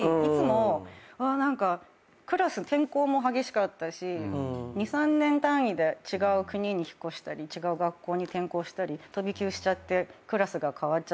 転校も激しかったし２３年単位で違う国に引っ越したり違う学校に転校したり飛び級しちゃってクラスが替わっちゃったりとか。